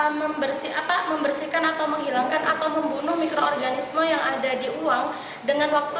membersih apa membersihkan atau menghilangkan atau membunuh mikroorganisme yang ada di uang dengan waktu